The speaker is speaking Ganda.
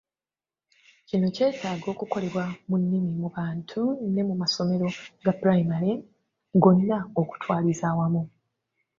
Kino kyetaaga okukolebwa ku nnimi mu bantu ne mu masomero ga ppulayima gonna okutwaliza wamu.